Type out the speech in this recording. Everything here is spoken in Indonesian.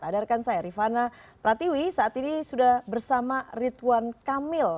ada rekan saya rifana pratiwi saat ini sudah bersama ridwan kamil